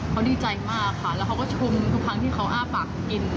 เขาดีใจมากค่ะแล้วเขาก็ชุมทุกครั้งที่เขาอ้าปากกิน